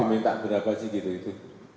minta berapa sih gitu itu